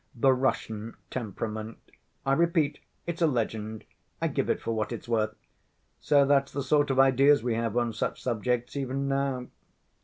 The Russian temperament. I repeat, it's a legend. I give it for what it's worth. So that's the sort of ideas we have on such subjects even now."